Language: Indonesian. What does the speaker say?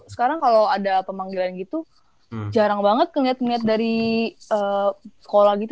sekarang kalau ada pemanggilan gitu jarang banget ngeliat ngeliat dari sekolah gitu